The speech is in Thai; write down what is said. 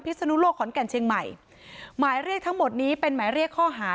ศนุโลกขอนแก่นเชียงใหม่หมายเรียกทั้งหมดนี้เป็นหมายเรียกข้อหา